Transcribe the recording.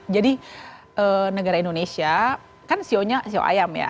jadi negara indonesia kan sionya sio ayam ya